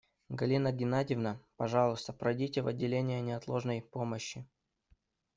Галина Геннадьевна, пожалуйста, пройдите в отделение неотложной помощи.